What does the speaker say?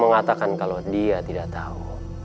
mengatakan kalau dia tidak tahu